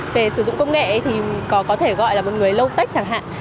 về sử dụng công nghệ thì có thể gọi là một người lâu tách chẳng hạn